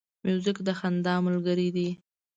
موزیک د خندا ملګری دی.